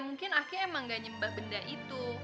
mungkin aki emang gak nyembah benda itu